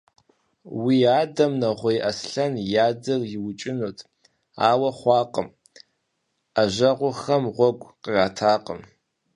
Уи адэм Нэгъуей Аслъэн и адэр иукӀынут, ауэ хъуакъым, Ӏэжьэгъухэм гъуэгу къратакъым.